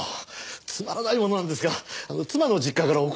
つまらないものなんですが妻の実家から送って参りまして。